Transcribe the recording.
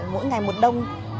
mỗi ngày một đông